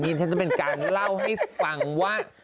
นี่ฉันจะเป็นการเล่าให้ฟังว่า